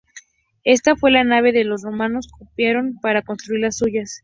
Esta fue la nave que los romanos copiaron para construir las suyas.